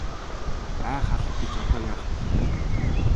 Ай халаг гэж одоо яах билээ.